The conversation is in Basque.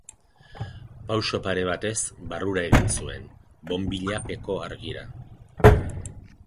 Pauso pare batez, barrura egin zuen, bonbilla peko argira.